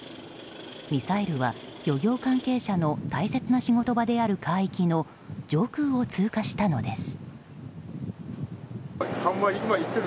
ミサイルは漁業関係者の大切な仕事場である海域の上空を通過したのです。